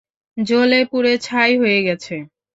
জ্বলেপুড়ে ছাই হয়ে গেছে।